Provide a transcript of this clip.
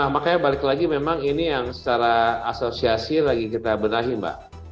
makanya balik lagi memang ini yang secara asosiasi lagi kita benahi mbak